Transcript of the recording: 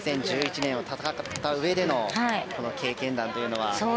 ２０１１年を戦ったうえでの経験談というのは。